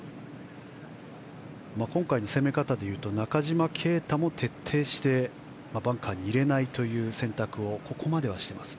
今回の攻め方でいうと中島啓太も徹底してバンカーに入れないという選択をここまでは、していますね。